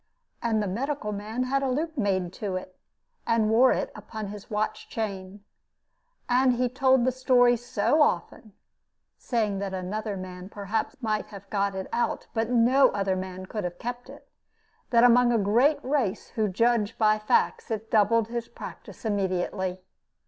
And the medical man had a loop made to it, and wore it upon his watch chain. And he told the story so often (saying that another man perhaps might have got it out, but no other man could have kept it), that among a great race who judge by facts it doubled his practice immediately.